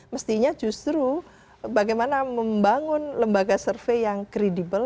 mestinya justru bagaimana membangun lembaga survei yang kredibel